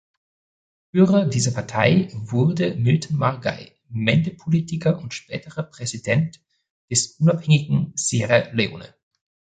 Führer dieser Partei wurde Milton Margai, Mende-Politiker und späterer Präsident des unabhängigen Sierra Leone.